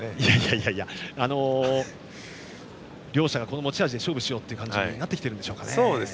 いやいや。両者が持ち味で勝負しようという感じになってきているんでしょうかね。